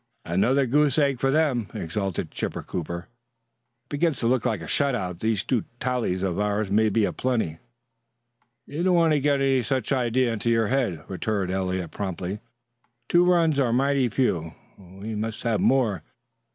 "Another goose egg for them," exulted Chipper Cooper. "It begins to look like a shut out. These two tallies of ours may be a plenty." "You don't want to get any such an idea into your head," returned Eliot promptly. "Two runs are mighty few; we must have more.